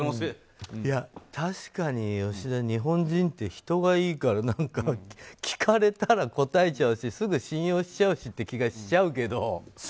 確かに、吉田日本人って人がいいから聞かれたら答えちゃうしすぐ信用しちゃうしって気がしちゃうけど。